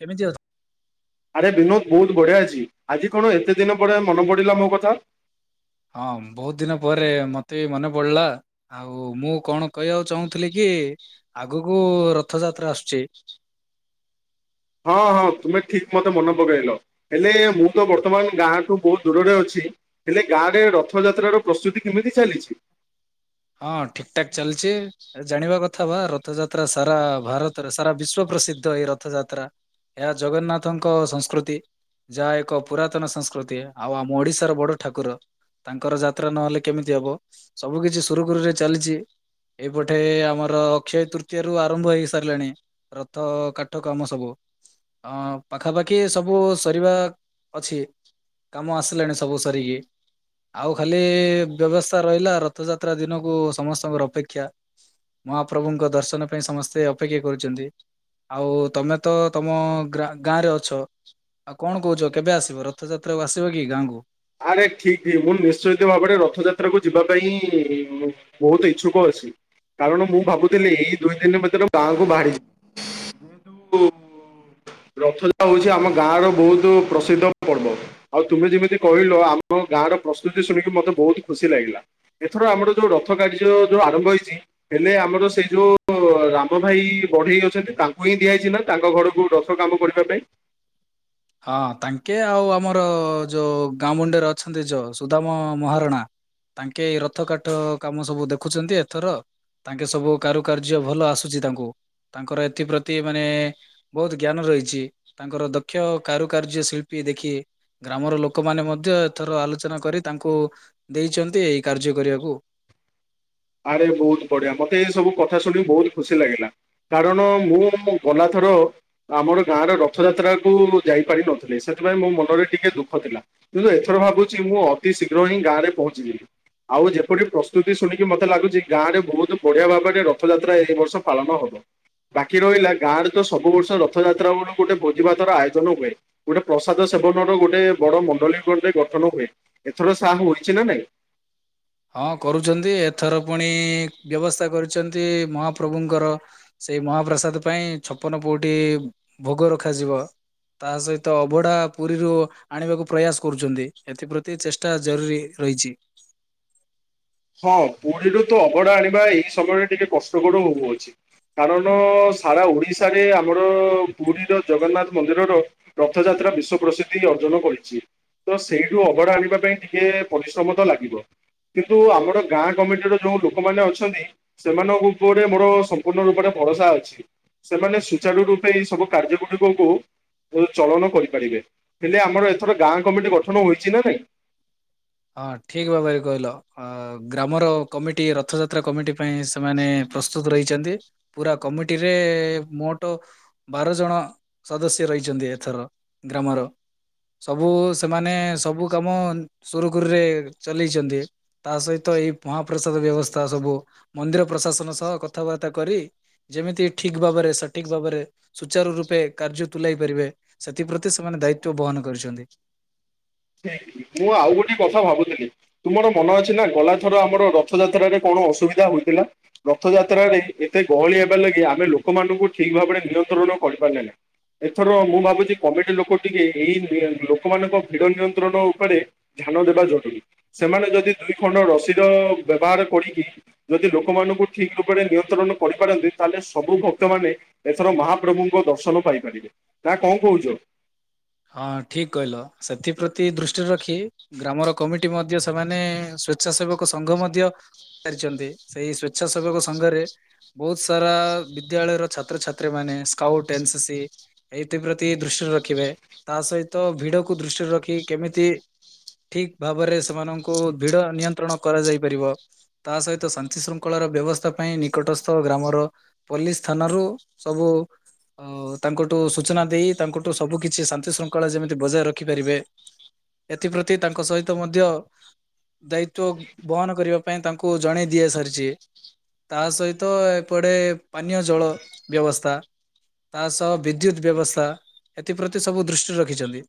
କେମିତି ଅଛ? ଆରେ ବିନୋଦ ବହୁତ ବଢିଆ ଅଛି ଆଜି କଣ ଏତେ ଦିନ ପରେ ମନେ ପଡିଲା ମୋ କଥା? ହଁ ବହୁତ ଦିନ ପରେ ମତେ ବି ମନେ ପଡିଲା ଆଉ ମୁଁ କଣ କହିବାକୁ ଚାହୁଁଥିଲି କି ଏ ଆଗକୁ ରଥ ଯାତ୍ରା ଆସୁଛି। ହଁ ହଁ ତୁମେ ଠିକ ମତେ ମନେ ପକେଇଲ। ହେଲେ ମୁଁ ତ ବର୍ତମାନ ଗାଁଠୁ ବହୁତ ଦୁରରେ ଅଛି। ହେଲେ ଗାଁ ରେ ରଥଯାତ୍ରାର ପ୍ରସ୍ତୁତି କେମିତି ଚାଲିଛି? ହଁ ଠିକ ଠାକ ଚାଲିଛି। ଜାଣିବା ବା ରଥଯାତ୍ରା ସାରା ଭାରତରେ ସାରା ବିଶ୍ଵ ପ୍ରସିଦ୍ଧ ଏଇ ରଥଯାତ୍ରା। ଏହା ଜଗନ୍ନାଥଙ୍କ ସଂସ୍କୃତି। ଯାହା ଏକ ପୁରାତନ ସଂସ୍କୃତି ଆଉ ଆମ ଓଡିଶାର ବଡ ଠାକୁର। ତାଙ୍କର ଯାତ୍ରା ନହେଲେ କେମିତି ହବ ସବୁ କିଛି ସୁରୁଖୁରୁରେ ଚାଲିଛି। ଏଇପଟେ ଆମର ଅକ୍ଷୟ ତୃତୀୟାରୁ ଆରମ୍ଭ ହେଇ ସାରିଲାଣି। ରଥ କାଠ କାମ ସବୁ ଅଁ ପାଖାପାଖି ସବୁ ସରିବା ଅଛି କାମ ଆସିଲାଣି ସବୁ ସରିକି ଆଉ ଖାଲି ବ୍ୟବସ୍ଥା ରହିଲା ରଥଯାତ୍ ତ୍ରା ଦିନକୁ ସମସ୍ତଙ୍କର ଅପେକ୍ଷା ମହାପ୍ରଭୁଙ୍କ ଦର୍ଶନ ପାଇଁ ସମସ୍ତେ ଅପେକ୍ଷା କରିଛନ୍ତି। ଆଉ ତମେ ତ ତମ ଗ୍ରା ଗାଁରେ ଅଛ ଆଉ କଣ କହୁଛ କେବେ ଆସିବ ରଥଯାତ୍ରାକୁ ଆସିବ କି ଗାଁକୁ? ଆରେ ଠିକ ଠିକ୍ ମୁଁ ନିଶ୍ଚିତ ଭାବରେ ରଥଯାତ୍ରା କୁ ଯିବା ପାଇଁ ବହୁତ ଇଚ୍ଛୁକ ଅଛି। କାରଣ ମୁଁ ଭାବୁଥିଲି ଏଇ ଦୁଇ ଦିନ ଭିତରେ ଗାଁ କୁ ବାହାରିଯିବ ଯେହେତୁ ରଥଯାତ୍ରା ହଉଛି ଆମ ଗାଁ ର ବହୁତ ପ୍ରସିଦ୍ଧ ପର୍ବ ଆଉ ତୁମେ ଯେମିତି କହିଲ ଆମ ଗାଁ ର ପ୍ରସ୍ତୁତି ଶୁଣିକି ମତେ ବହୁତ ଖୁସି ଲାଗିଲା ଏଥର ଆମର ଯୋଉ ରଥ କାର୍ଯ୍ୟ ଯୋଉ ଆରମ୍ଭ ହେଇଛି ହେଲେ ଆମର ସେଇ ଯୋଉ ରାମ ଭାଇ ବଢେଇ ଅଛନ୍ତି ତାଙ୍କୁ ହିଁ ଦିଆଯାଇଛି ନାଁ ତା ତାଙ୍କ ଘରକୁ ରଥ କାମ କରିବା ପାଇଁ ହଁ ତାଙ୍କେ ଆଉ ଆମର ଯୋଉ ଗାଁ ମୁଣ୍ଡରେ ଅଛନ୍ତି ଯୋଉ ସୁଦାମ ମହାରଣା ତାଙ୍କେ ଏଇ ରଥ କାଠ କାମ ସବୁ ଦେଖୁଛନ୍ତି ଏଥର ତାଙ୍କେ ସବୁ କାରୁକାର୍ଯ୍ୟ ଭଲ ଆସୁଛି ତାଙ୍କୁ ତାଙ୍କର ଏଥିପ୍ରତି ମାନେ ବହୁତ ଜ୍ଞାନ ରହିଛି ତାଙ୍କର ଦକ୍ଷ କାରୁକାର୍ଯ୍ୟ ଶିଳ୍ପୀ ଦେଖି ଗ୍ରାମର ଲୋକମାନେ ମଧ୍ୟ ଏଥର ଆଲୋଚନା କରି ତାଙ୍କୁ ଦେଇଛନ୍ତି ଏଇ କାର୍ଯ୍ୟ କରିବାକୁ। ଆରେ ବହୁତ ବଢିଆ ମତେ ଏ ସବୁ କଥା ଶୁଣି ବହୁତ ଖୁସି ଲାଗିଲା କାରଣ ମୁଁ ଗଲା ଥ ର ଆମର ଗାଁରେ ରଥଯାତ୍ରାକୁୁ ଯାଇପାରି ନଥିଲେ ସେଥିପାଇଁ ମୋ ମନରେ ଟିକେ ଦୁଃଖ ଥିଲା। କିନ୍ତୁ ଏଥର ଭାବୁଛି ମୁଁ ଅତି ଶୀଘ୍ର ହିଁ ଗାଁରେ ପହଞ୍ଚିଯିବି ଆଉ ଯେପରି ପ୍ରସ୍ତୁତି ଶୁଣିି କି ମତେ ଲାଗୁଛି ଗାଁ ରେ ବହୁତ ବଢିଆ ଭାବରେ ରଥଯାତ୍ରା ଏଇ ବର୍ଷ ପାଳନ ହବ। ବାକି ରହିଲା ଗାଁରେ ତ ସବୁ ବର୍ଷ ରଥଯାତ୍ରା ବେଳକୁ ଗୋଟେ ଭୋଜି ଭାତ ର ଆୟୋଜନ ହୁଏ ଗୋଟେ ପ୍ରସାଦ ସେ ସେବନର ଗୋଟେ ବଡ ମଣ୍ଡଳୀ ଉପରେ ଗଠନ ହୁଏ। ଏଥର ସାହା ହୋଇଛି ନା ନାଇଁ? ହଁ କରୁଛନ୍ତି ଏଥର ପୁଣି ବ୍ୟବସ୍ଥା କରିଛନ୍ତି ମହାପ୍ରଭୁଙ୍କର ସେଇ ମହାପ୍ରସାଦ ପାଇଁ ଛପନ ପଉଟି ଭୋଗ ରଖାଯିବ। ତା ସହିତ ଅଭଢା ପୁରୀରୁ ଆଣିବାକୁ ପ୍ରୟାସ କରୁଛନ୍ତି। ଏଥିପ୍ରତି ଚେଷ୍ଟା ଜରୁରୀ ରହିଛି। ହଁ ପୁରୀରୁ ତ ଅଭଡା ଆଣିବା ଏଇ ସମୟରେ ଟିକେ କଷ୍ଟକର ହଉଅଛି। କାରଣ ସାରା ଓଡିଶାରେ ଆମର ପୁରୀର ଜଗନ୍ନାଥ ମନ୍ଦିରର ରଥଯା ତ୍ରା ବିଶ୍ଵ ପ୍ରସିଦ୍ଧି ଅର୍ଜନ କରିଛି। ତ ସେଇଠୁ ଅବଢା ଆଣିବା ପାଇଁ ଟିକେ ପରିଶ୍ରମ ତ ଲାଗିବ କି ନ୍ତୁ ଆମର ଗାଁ କମିଟିର ଯୋଉ ଲୋକମାନେ ଅଛନ୍ତି ସେମାନଙ୍କ ଉପରେ ମୋର ସମ୍ପୂର୍ଣ୍ଣ ରୂପରେ ଭରସା ଅଛି ସେମାନେ ସୁଚାରୁରୂପେ ଏଇ ସବୁ କାର୍ଯ୍ୟ ଗୁଡିକକୁ ଚଳନ କରିପାରିବେ ହେଲେ ଆମର ଏଥର ଗାଁ କମିଟି ଗଠନ ହୋଇଛି ନା ନାଇଁ? ହଁ ଠିକ ଭାବରେ କହିଲ ଗ୍ରାମର କମିଟି ରଥଯାତ୍ରା କମିଟି ପାଇଁ ସେମାନେ ପ୍ରସ୍ତୁତ ରହିଛନ୍ତି ପୁରା କମିଟିରେ ମୋଟ ବାର ଜଣ ସଦସ୍ୟ ରହିଛନ୍ତି ଏଥର ଗ୍ରାମର ସବୁ ସେମାନେ ସବୁ କାମ ସୁରୁଖୁରୁରେ ଚଲେଇଛନ୍ତି ତା ସହିତ ଏଇ ମହାପ୍ରସାଦ ବ୍ୟବସ୍ଥା ସବୁ ମନ୍ଦିର ପ୍ରସା ଶାସନ ସହ କଥାବାର୍ତ୍ତା କରି ଯେମିତି ଠିକ ଭାବରେ ସଠିକ ଭାବରେ ସୁଚାରୁ ରୂପେ କାର୍ଯ୍ୟ ତୁଲାଇ ପାରିବେ ସେଥିପ୍ରତି ସେମାନେ ଦାୟିତ୍ଵ ବହନ କରିଛନ୍ତି। [unintelligible] ମୁଁ ଆଉ ଗୋଟେ କଥା ଭାବୁଥିଲି ତୁମର ମନ ଅଛି ନା ଗଲା ଥର ଆମର ରଥଯାତ୍ରାରେ କଣ ଣ ଅସୁବିଧା ହୋଇଥିଲା ରଥଯାତ୍ରାରେ ଏତେ ଗହଳି ହେବା ଲାଗି ଆମେ ଲୋକମାନଙ୍କୁ ଠିକ ଭାବରେ ନିୟ ନ୍ତ୍ରଣ କରିପାରିଲେ ନାଁ ଏଥର ମୁଁ ଭାବୁଛି କମେଟି ଲୋକ ଟିକେ ଏଇ ଲୋକମାନଙ୍କ ଭିଡ଼ ନିୟନ୍ତ୍ରଣ ଉପରେ ଧ୍ୟାନ ଦେବା ଜରୁରୀ ସେମାନେ ଯଦି ଦୁଇ ଖଣ୍ଡ ରସିର ବ୍ୟବହାର କରିକି ଯଦି ଲୋକମାନଙ୍କୁ ଠିକ ରୂପରେ ନିୟନ୍ତ୍ରଣ କରିପାରନ୍ତି ତାହେଲେ ସବୁ ଭକ୍ତମାନେ ଏଥର ମହାପ୍ରଭୁଙ୍କ ଦର୍ଶନ ପାଇପାରିବେ ତା କଣ କହୁଛ। ହଁ ଠିକ କହିଲ ସେଥିପ୍ରତି ଦୃଷ୍ଟିରେ ରଖି ଗ୍ରାମର କମିଟି ମଧ୍ୟ ସେମାନେ ସ୍ଵେଚ୍ଛାସେବକ ସଂଘ ମଧ୍ଯ ଛନ୍ତି ସେଇ ସ୍ଵେଚ୍ଛା ସେବକ ସଂଙ୍ଗରେ ବହୁତ ସାରା ବିଦ୍ୟାଳୟ ର ଛାତ୍ରଛାତ୍ରୀ ମାନେ ସ୍କାଉଟ, ଏନ୍ସିସିି ଏଥି ପ୍ରତି ଦୃଷ୍ ଷ୍ଟି ରଖିବେ ତା ସହିତ ଭିଡକୁ ଦୃଷ୍ଟିରେ ରଖି କେମିତି ଠିକ ଭାବରେ ସେମାନଙ୍କୁ ଭିଡ ନିୟନ୍ତ୍ରଣ କରାଯାଇ ପାରିବ ତା ସହିତ ଶାନ୍ତି ଶୃଙ୍ଖଳ ବ୍ୟବସ୍ଥା ପାଇଁ ନିକଟସ୍ଥ ଗ୍ରାମର ପୋଲିସ ଥାନାରୁ ସବୁ ଅ ତାଙ୍କଠୁ ସୂଚନା ଦେଇ ତାଙ୍କଠୁ ସବୁ କିଛି ଶାନ୍ତି ଶୃଙ୍ଖଳା ଯେମିତି ବଜାୟ ରଖିପାରିବେ ଏଥିପ୍ରତି ତାଙ୍କ ସହିତ ମଧ୍ୟ ଦାୟିତ୍ତ୍ଵ ବହନ କରିବା ପାଇଁ ତାଙ୍କୁ ଜଣେଇ ଦିଆ ସାରିଛି। ତା ସହିତ ଏପଟେ ପାନୀୟ ଜଳ ବ୍ୟବସ୍ଥା ତା ସହ ବିଦ୍ୟୁତ ବ୍ୟବସ୍ଥା ଏଥିପ୍ରତି ସବୁ ଦୃଷ୍ଟି ରଖିଛନ୍ତି।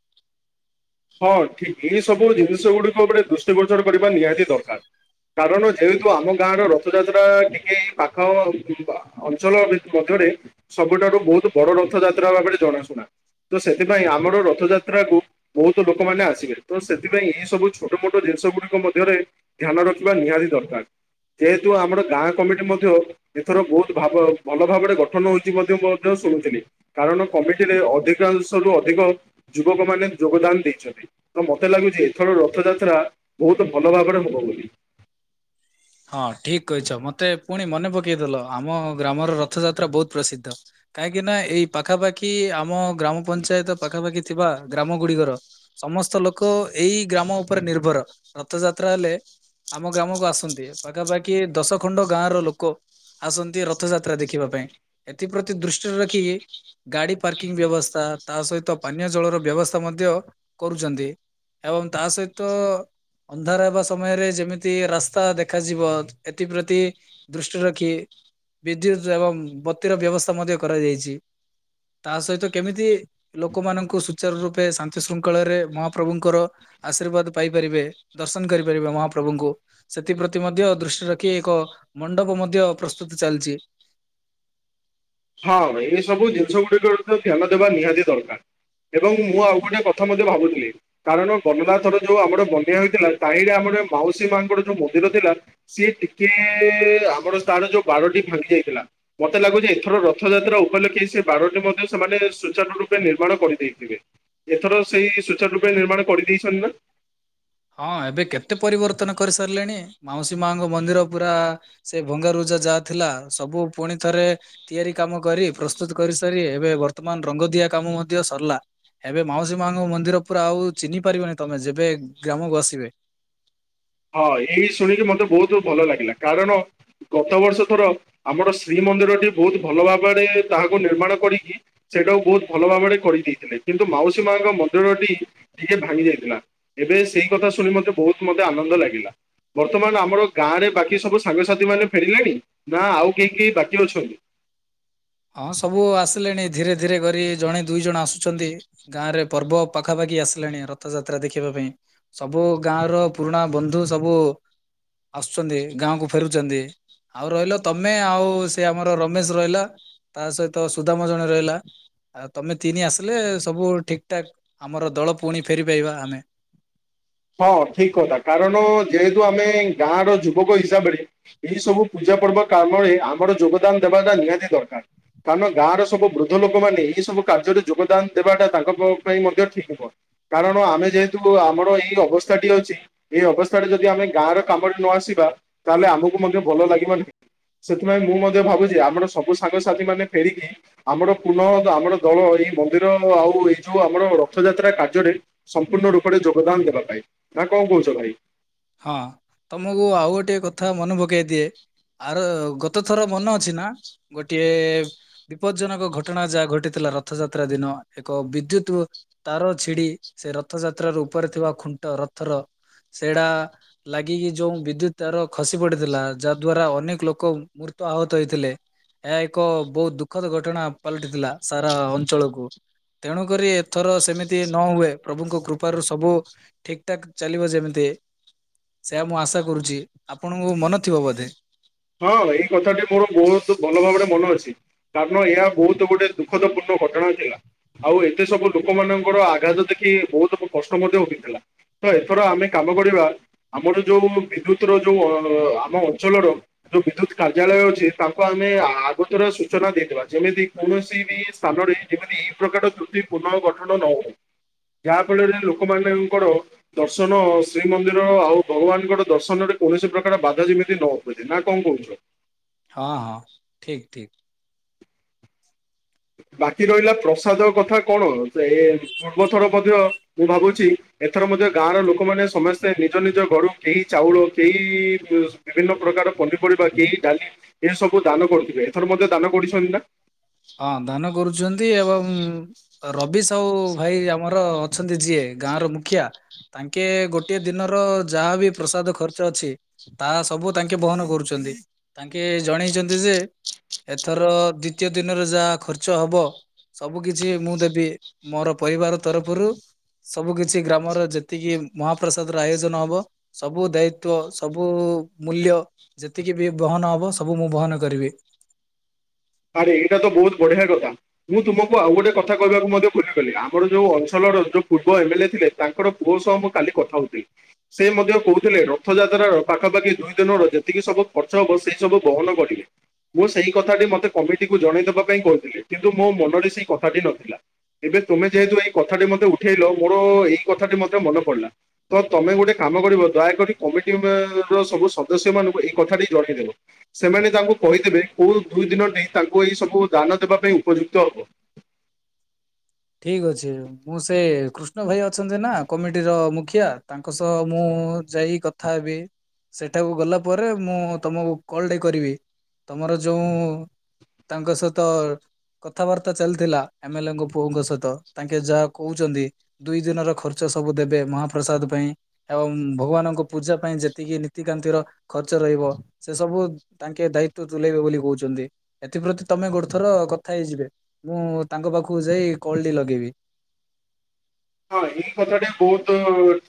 ହଁ ଠିକ ଏଇ ସବୁ ଜିନିଷ ଗୁଡକୁ ଗୋଟେ ଦୃଷ୍ଟି ଗୋଚର କରିବା ନିହାତି ଦରକାର। କାରଣ ଯେହେତୁ ଆମ ଗାଁ ର ରଥଯାତ୍ରା ଟିକେ ପାଖ ଅଞ୍ଚଳ ମଧ୍ୟ ସବୁଠାରୁ ବହୁତ ବଡ ରଥ ଯାତ୍ରା ଭାବରେ ଜଣାଶୁଣା। ତ ସେଥିପାଇଁ ଆମର ରଥଯାତ୍ରାକୁ ବହୁତ ଲୋକମାନେ ଆସିବେ ତ ସେଥିପାଇଁ ଏଇ ସବୁ ଛୋଟ ମୋଟ ଜିନିଷ ଗୁଡିକ ମଧ୍ୟରେ ଧ୍ୟାନ ରଖିବା ନିହାତି ଦରକାର। ଯେହେତୁ ଆମର ଗାଁ କମିଟି ମଧ୍ୟ ଏଥର ବହୁତ ଭାବ ଭଲ ଭାବରେ ଗଠନ ହଉଛି ମଧ୍ଯ ଶୁଣଥିଲି କାରଣ କମିଟିରେ ଅଧିକାଂଶରୁୁ ଅଧିକ ଯୁବକ ମାନେ ଯୋଗଦାନ ଦେଇଛନ୍ତି ତ ମତେ ଲାଗୁଛି ଏଥର ରଥଯାତ୍ରା ବହୁତ ଭଲ ଭାବରେ ହବ ବୋଲି। [unintelligible] ହଁ ଠିକ କହିଛ ମତେ ପୁଣି ମନେ ପକେଇଦଲ ଆମ ଗ୍ରାମର ରଥଯାତ୍ରା ବହୁତ ପ୍ରସିଦ୍ଧ। କାହିଁକି ନା ଏଇ ପାଖାପାଖି ଆମ ଗ୍ରାମ ପଞ୍ଚାୟତ ପାଖାପାଖି ଥିବା ଗ୍ରାମ ଗୁଡିକର ସମସ୍ତ ଲୋକ ଏଇ ଗ୍ରାମ ଉପରେ ନିର୍ଭର ରଥଯାତ୍ରା ହେଲେ ଆମ ଗ୍ରାମକୁ ଆସନ୍ତି ପାଖାପାଖି ଦଶ ଖଣ୍ଡ ଗାଁ ର ଲୋକ ଆସନ୍ତି ରଥଯାତ୍ରା ଦେଖିବା ପାଇଁ ଏଥିପ୍ରତି ଦୃଷ୍ଟିରେ ରଖିକି ଗାଡି ପାର୍କିଂ ବ୍ୟବସ୍ଥା ତା ସହିତ ପାନୀୟ ଜଳର ବ୍ୟବସ୍ଥା ମଧ୍ୟ କରୁଛନ୍ତି। ଏବଂ ତା ସହିତ ଅନ୍ଧାର ହେବା ସମୟରେ ଯେମିତି ରାସ୍ତା ଦେଖ ଦେଖାଯିବ ଏଥିପ୍ରତି ଦୃଷ୍ଟି ରଖି ବିଦ୍ୟୁତ ଏବଂ ବତିର ବ୍ୟବସ୍ଥା ମଧ୍ୟ କରାଯାଇଛି। ତା ସହିତ କେମିତି ଲୋକମାନଙ୍କୁ ସୁଚାର ରୂପେ ଶାନ୍ତି ଶୃଙ୍ଖଳରେ ମହାପ୍ରଭୁଙ୍କର ଆଶୀର୍ବାଦ ପାଇପାରିବେ ଦର୍ଶନ କରିପାରିବେ ମହାପ୍ରଭୁଙ୍କୁ ସେ ଏଥିପ୍ରତି ମଧ୍ୟ ଦୃଷ୍ଟିରେ ରଖି ଏକ ମଣ୍ଡପ ମଧ୍ୟ ପ୍ରସ୍ତୁତ ଚାଲିଛି। ହଁ ଏଇ ସବୁ ଜିନିଷ ଗୁଡିକ ଧ୍ୟାନ ଦେବା ନିହାତି ଦରକାର। ଏବଂ ମୁଁ ଆଉ ଗୋଟେ କଥା ମଧ୍ୟ ଭାବୁଥିଲି କାରଣ ଗଲା ଥର ଯୋଉ ଆମର ବନ୍ୟା ହୋଇଥିଲା ସାହିରେ ଆମର ମାଉସୀ ମାଙ୍କର ଯୋଉ ମନ୍ଦିର ଥିଲା ସିଏ ଟିକେ ଆମର ତାର ଯୋଉ ବାଡ଼ଟି ଭାଙ୍ଗି ଯାଇଥିଲା। ମତେ ଲାଗୁ ଯେ ଏଥର ର ରଥଯାତ୍ରା ଉପଲକ୍ଷେ ସେ ବାଡ଼ଟି ମଧ୍ୟ ସେମାନେ ସୁଚାର ରୂପେ ନିର୍ମାଣ କରିଦେଇଥିବେ ଏଥର ସେଇ ସୁଚାର ରୂପେ ନିର୍ମାଣ କରିଦେଇଛନ୍ତି ନା। ହଁ ଏବେ କେତେ ପରିବର୍ତ୍ତନ କରିସାରିଲେଣି। ମାଉସୀ ମାଙ୍କ ମନ୍ଦିର ପୁରା ସେ ଭଙ୍ଗାରୁଜା ଯାହା ଥିଲା ସବୁ ପୁଣି ଥରେ ତିଆରି କାମ କରି ପ୍ରସ୍ତୁତ କରି ସାରି ଏବେ ବର୍ତ୍ତମାନ ରଙ୍ଗ ଦିଆ କାମ ମଧ୍ୟ ସରିଲା। ଏବେ ମାଉସୀ ମାଙ୍କ ମନ୍ଦିର ପୁରା ଆଉ ଚିହ୍ନି ପାରିବନି ତମେ ଯେବେ ଗ୍ରାମକୁ ଆସିବେ। ହଁ ଏଇ ଶୁଣିକି ମତେ ବହୁତ ଭଲ ଲାଗିଲା କାରଣ ଗତ ବର୍ଷ ଥର ଆମର ଶ୍ରୀ ମନ୍ଦିରଟି ବହୁତ ଭଲ ଭାବରେ ତାହାକୁ ନିର୍ମାଣ କରିକି ସେଟାକୁ ବହୁତ ଭଲ ଭାବରେ କରିଦେଇଥିଲେ। କିନ୍ତୁ ମାଉସୀ ମାଙ୍କ ମନ୍ଦିରଟି ଟିକେ ଭାଙ୍ଗି ଯାଇଥିଲା। ଏବେ ସେଇ କଥା ଶୁଣି ମତେ ବହୁତ ମତେ ଆନନ୍ଦ ଭଲ ଲାଗିଲା। ବର୍ତ୍ତମାନ ଆମର ଗାଁ ରେ ବାକି ସବୁ ସାଙ୍ଗସାଥି ମାନେ ଫେରିଲେଣି। ନା ଆଉ କେହି କେହି ବାକି ଅଛନ୍ତି। [inaudible] ହଁ ସବୁ ଆସିଲେଣି। ଧୀରେ ଧୀରେ କରି ଜଣେ ଦୁଇ ଜଣ ଆସୁଛନ୍ତି ଗାଁ ରେ ପର୍ବ ପାଖାପାଖି ଆସିଲାଣି ରଥଯାତ୍ରା ଦେଖିବା ପାଇଁ। ସବୁ ଗାଁ ଗାଁ ର ପୁରୁଣା ବନ୍ଧୁ ସବୁ ଆସୁଛନ୍ତି ଗାଁ କୁ ଫେରୁଛନ୍ତି। ଆଉ ରହିଲ ତମେ ଆଉ ସେ ଆମର ରମେଶ୍ ରହିଲା। ତା ସହିତ ସୁଦାମ ଜଣେ ରହିଲା। ତମେ ତିନି ଆସିଲେ ସବୁ ଠିକ୍ ଠାକ୍ ଆମର ଦଳ ପୁଣି ଫେରି ପାଇବା ଆମେ। [inaudible] ହଁ ଠିକ୍ କଥା। କାରଣ ଯେହେତୁ ଆମେ ଗାଁ ର ଯୁବକ ହିସାବରେ ଏଇ ସବୁ ପୂଜା ପୂଜା ପର୍ବ କାମରେ ଆମର ଯୋଗଦାନ ଦେବାଟା ନିହାତି ଦରକାର। କାରଣ ଗାଁର ସବୁ ବୃଦ୍ଧ ଲୋକ ମାନେ ଏହି ସବୁ କାର୍ଯ୍ୟରେ ଯୋଗଦାନ ଦେବାଟା ତାଙ୍କ ପାଇଁ ମଧ୍ୟ ଠିକ୍ ହବ। କାରଣ ଆମେ ଯେହେତୁ ଆମର ଏଇ ଅ ଅବସ୍ଥାଟି ଅଛି ଏଇ ଅବସ୍ଥାରେ ଯଦି ଆମେ ଗାଁ ର କାମରେ ନ ଆସିବା ତାହେଲେ ଆମକୁ ମଧ୍ୟ ଭଲ ଲାଗିବ ନାହିଁ। ସେଥିପାଇଁ ମୁଁ ମଧ୍ୟ ଭାବୁଛି ଆମର ସବୁ ସାଙ୍ଗସାଥି ମାନେ ଫେରିକି ଆମର ପୁନଃ ଆମର ଦଳ ଏଇ ମନ୍ଦିର ଆଉ ଏଇ ଯୋଉ ଆମର ରଥଯାତ୍ରା କାର୍ଯ୍ୟରେ ସମ୍ପୂର୍ଣ୍ଣ ରୂପରେ ଯୋଗଦାନ ଦେବା ପାଇଁ। ନା କଣ କହୁଛ ଭାଇ। ହଁ ତମକୁ ଆଉ ଗୋଟେ କଥା ମନେ ପକେଇ ଦିଏ। ଆର ଗତ ଥର ମନେ ଅଛି ନା ଗୋଟିଏ ବିପଦଜନକ ଘଟଣା ଯାହା ଘଟିଥିଲା। ରଥଯାତ୍ରା ଦିନ ଏକ ବିଦ୍ୟୁତ୍ ତାର ଛିଡି ସେ ରଥଯାତ୍ରାର ଉପରେ ଥିବା କୁଣ୍ଟ୍ ରଥର ସେଇଡା ଲାଗିକି ଯୋଉ ବିଦ୍ୟୁତ ତାର ଖସି ପଡିଥିଲା ଯାହା ଦ୍ଵାରା ଅନେକ୍ ଲୋକ ମୃତ ଆହତ ହେଇଥିଲେ। ଏହା ଏକ ବହୁତ ଦୁଃଖଦ ଘଟଣା ପାଲଟିଥିଲା ସାରା ଅଞ୍ଚଳକୁ। ତେଣୁକରି ଏଥର ସେମିତି ନ ହୁଏ ପ୍ରଭୁଙ୍କ କୃପାରୁ ସବୁ ଠିକ୍ ଠାକ୍ ଚାଲିବ ଯେମିତି। ସେଇୟା ମୁଁ ଆଶା କରୁଛି ଆପଣଙ୍କୁ ମନ ଥିବ ବୋଧେ। ହଁ ଏଇ କଥାଟି ମୋର ବହୁତ ଭଲ ଭାବରେ ମନେ ଅଛି। କାରଣ ଏହା ବହୁତ ଗୋଟେ ଦୁଃଖଦ ପୂର୍ଣ୍ଣ ଘଟଣା ଥିଲା। ଆଉ ଏତେ ସବୁ ଲୋକମାନଙ୍କର ଆଘାତ ଦେଖି ବହୁତ କଷ୍ଟ ମଧ୍ୟ ଉଠିଥିଲା। ତ ଏଥର ଆମେ କାମ କରିବା। ଆମର ଯୋଉ ବିଦ୍ୟୁତ୍ ର ଯୋଉ ଆମ ଅଞ୍ଚଳର ଯୋଉ ବିଦ୍ୟୁତ୍ କାର୍ଯ୍ୟାଳୟ ଅଛି। ତାଙ୍କୁ ଆମେ ଆଗତରେ ସୂଚନା ଦେଇଦବା। ଯେମିତି କୌଣସି ବି ସା ଯେମିତି ଏଇ ପ୍ରକାର ତ୍ରୁତି ପୁନଃ ଗଠନ ନହୋଉ। ଯାହା ଫଳରେ ଲୋକ ମାନେଙ୍କର ଦର୍ଶନ ଶ୍ରୀମନ୍ଦିର ଆଉ ଭଗବାନଙ୍କର ଦର୍ଶନରେ କୌଣସି ପ୍ରକାର ବାଧା ଯେମିତି ନ ହୁଏ। ନା କଣ କହୁଛ? ହଁ ହଁ ଠିକ୍ ଠିକ୍। [inaudible] ବାକି ରହିଲା ପ୍ରସାଦ କଥା କଣ ସେ ପୂର୍ବଥର ମଧ୍ୟ ମୁଁ ଭାବୁଛି ଏଥର ମଧ୍ୟ ଗାଁର ଲୋକମାନେ ସମସ୍ତେ ନିଜ ନିଜ ଘରୁ କେହି ଚାଉଳ କେହି ବିଭିନ୍ନ ପ୍ରକାରର ପନି ଡାଲି ଏସବୁ ଦାନ କରୁଥିବେ। ଏଥର ମଧ୍ୟ ଦାନ କରିଛନ୍ତି ନା। ଧାନ କରୁଛନ୍ତି। ଏବଂ ରବିସ୍ ସଉ ଭାଇ ଆମର ଅଛନ୍ତି ଯିଏ ଗାଁ ର ମୁଖିଆ। ତାଙ୍କେ ଗୋଟିଏ ଦିନର ଯାହା ବିି ପ୍ରସାଦ ଖର୍ଚ୍ଚ ଅଛି ତାହା ସବୁ ତାଙ୍କେ ବହନ କରୁଛନ୍ତି। ତାଙ୍କେ ଜଣେଇଛନ୍ତି ଯେ ଏଥର ଦ୍ଵିତୀୟ ଦିନରେ ଯାହା ଖର୍ଚ୍ଚ ହବ ସବୁ କିଛି ମୁଁ ଦେବି। ମୋର ପରିବାର ତରଫରୁ। ସବୁ କିଛି ଗ୍ରାମର ଯେତିକି ମହାପ୍ରସାଦ ର ଆୟୋଜନ ହବ। ସବୁ ଦାୟିତ୍ବ ସବୁ ମୂଲ୍ୟ ଯେତିକି ବି ବହନ ହବ ସବୁ ମୁଁ ବହନ କରିବି। [inaudible] ଆରେ ଏଇଟା ତ ବହୁତ ବଢିଆ କଥା। ମୁଁ ତୁମକୁ ଆଉ ଗୋଟେ କଥା କହିବାକୁ ମଧ୍ୟ ଭୁଲି ଗଲି। ଆମର ଯୋଉ ଅଞ୍ଛଳର ପୂର୍ବ ଏମଲ ଥିଲେ ତାଙ୍କର ପୁଅ ସହ ମୁଁ କାଲି କଥା ହଉଥିଲି ସେ ମଧ୍ୟ କହୁଥିଲେ ରଥଯାତ୍ରାର ପାଖାପାଖି ଦୁଇ ଦିନର ଯେତିକି ସବୁ ଖର୍ଚ୍ଚ ହବ ସେଇ ସବୁ ବହନ କରିବେ ମୁଁ ସେଇ କଥା ଟି ମତେ କମିଟିକୁ ଜଣେଇଦବା ପାଇଁ କହିଥିଲେ କିନ୍ତୁ ମୋ ମନରେ ସେଇ କଥାଟି ନଥିଲା। ଏବେ ତୁମେ ଯେହେତୁ ଏଇ କଥା ମତେ ଉଠେଇଲ ମୋର ଏଇ କଥାଟି ମଧ୍ୟ ମୋର ମନେ ପଡିଲା ତ ତମେ ଗୋଟେ କାମ କାମ କରିବ ଦୟାକରି କମିଟି ର ସବୁ ସଦସ୍ୟ ମାନଙ୍କୁ ଏଇ କଥା ଜଣେଇଦେବ ସେମାନେ ତାଙ୍କୁ କହିଦେବେ କୋଉ ଦୁଇ ଦିନଟି ତାଙ୍କୁ ଏଇ ସବୁ ଦାନ ଦେବା ପାଇଁ ଉପଯୁକ୍ତ ହବ। ଠିକ୍ ଅଛି ମୁଁ ସେ କୃଷ୍ଣ ଭାଇ ଅଛନ୍ତି ନା କମିଟିର ମୁଖ ଖିଆ ତାଙ୍କ ସହ ମୁଁ ଯାଇ କଥା ହେବି। ସେଠାକୁ ଗଲା ପରେ ମୁଁ ତମକୁ କଲଟେ କରିବି ତମର ଯୋଉ ତାଙ୍କ ସହିତ କଥାବାର୍ତ୍ତା ଚାଲିଥିଲା ଏମେଲେଙ୍କ ପୁଅଙ୍କ ସହିତ ତାଙ୍କେ ଯାହା କହୁଛନ୍ତି ଦୁଇ ଦିନର ଖର୍ଚ୍ଚ ସବୁ ଦେବେ ମହାପ୍ରସାଦ ପାଇଁ। ଆ ଭଗବାନଙ୍କ ପୂଜା ପାଇଁ ଯେତିକି ନୀତିକାନ୍ତିର ଖର୍ଚ୍ଚ ରହିବ ସେ ସବୁ ତାଙ୍କେ ଦା ଇତ୍ୱ ତୁଲେଇବେ ବୋଲି କହୁଛନ୍ତି ଏଥିପ୍ରତି ତମେ ଗୋଟେ ଥର କଥା ହେଇଯିବେ ମୁଁ ତାଙ୍କ ପାଖକୁ ଯାଇ କଲଟି ଲଗେଇବି। ହଁ ଏଇ କଥାଟା ବହୁତ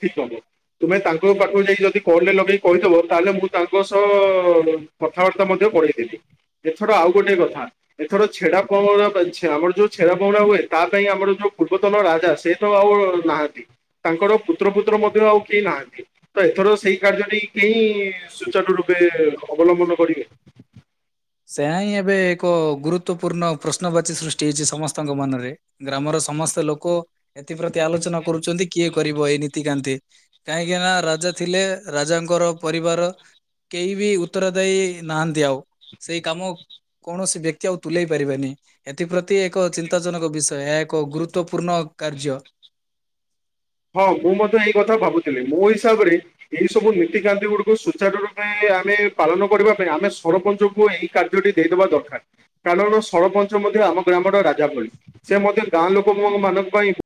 ଠିକ ହବ ତୁମେ ତାଙ୍କ ପାଖକୁ ଯାଇ ଯଦି କଲ ଲଗେଇି କହିଦବ। ତାହେଲେ ମୁଁ ତାଙ୍କ ସହ କଥାବାର୍ତ୍ତା ମଧ୍ୟ କରେଇ ଦେବି ଏଥର ଆଉ ଗୋଟେ କଥା। ଏଥର ଛେରା ପହଁରା ଆମର ଯୋଉ ଛେରା ପହଁରା ହୁଏ ତା ପାଇଁ ଆମର ଯୋଉ ପୂର୍ବତନ ରାଜା ସେ ତ ଆଉ ନାହାନ୍ତି। ତାଙ୍କର ପୁତ୍ରପୁତ୍ର ମଧ୍ୟ ଆଉ କେହି ନାହାନ୍ତି ତ ଏଥର ସେଇ କାର୍ଯ୍ୟ ନେଇ କେହି ସୂଚନା ରୂପେ ଏବେ ଅବଲମ୍ବନ କରିବେ। ସେୟା ହିଁ ଏବେ ଏକ ଗୁରୁତ୍ୱପୂର୍ଣ୍ଣ ପ୍ରଶ୍ନବାଚୀ ସୃଷ୍ଟି ହେଇଛି ସମସ୍ତଙ୍କ ମନରେ। ଗ୍ରାମର ସମସ୍ତେ ଲୋକ ଏଥିପ୍ରତି ଆଲୋଚନା କରୁଛନ୍ତି କିଏ କରିବ ଏଇ ନୀତିକାନ୍ତି? କାହିଁକି ନା ରାଜା ଥିଲେ। ରାଜାଙ୍କର ପରିବାର କେହି ବି ଉତ୍ତର ଦାଇ ନାହାନ୍ତି ଆଉ। ସେଇ କାମ କୌଣସି ବ୍ୟକ୍ତି ଆଉ ତୁଲେଇ ପାରିବେନି ଏଥିପ୍ରତି ଏକ ଚିନ୍ତାଜନକ ବିଷୟ। ଏହା ଏକ ଗୁରୁତ୍ୱପୂର୍ଣ୍ଣ କାର୍ଯ୍ୟ। ହଁ ମୁଁ ମଧ୍ୟ ଏଇ କଥା ଭାବୁଥିଲି ମୋ ହିସାବରେ ଏଇ ସବୁ ନୀତିକାନ୍ତି ଗୁଡିକୁ ସୂଚାରୁ ରୂପେ ଆମେ ପାଳନ କରିବା ପାଇଁ ଆମେ ସରପଞ୍ଚଙ୍କୁ ଏଇ କାର୍ଯ୍ୟଟି ଦେଇଦବା ଦରକାର କାରଣ ସରପଞ୍ଚ ସେ ଆମ ଗ୍ରାମର ରାଜା ଭଳି ସେ ମଧ୍ୟ ଗାଁ ଲୋକ ମାନଙ୍କ ପାଇଁ